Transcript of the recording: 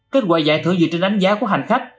kết quả giải thưởng dựa trên đánh giá của hành khách